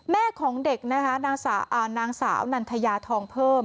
แม่ของเด็กนะคะนางสาวนันทยาทองเพิ่ม